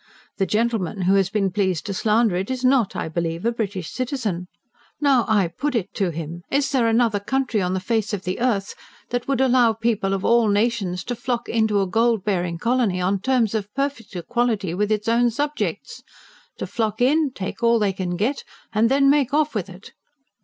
The gentleman who has been pleased to slander it is not, I believe, a British citizen. Now, I put it to him: is there another country on the face of the earth, that would allow people of all nations to flock into a gold bearing colony on terms of perfect equality with its own subjects? to flock in, take all they can get, and then make off with it?"